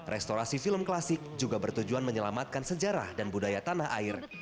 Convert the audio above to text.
restorasi film klasik juga bertujuan menyelamatkan sejarah dan budaya tanah air